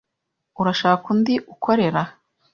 Urashaka undi ukorera?